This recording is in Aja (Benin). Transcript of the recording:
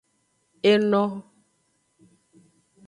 Eno.